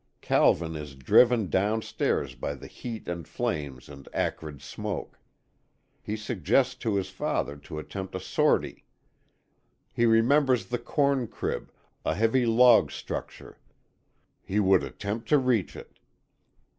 Calvin is driven down stairs by the heat and flames and acrid smoke. He suggests to his father to attempt a sortie. He remembers the corn crib, a heavy log structure. He would attempt to reach it.